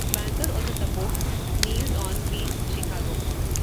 Bankers also supports Meals on Wheels Chicago.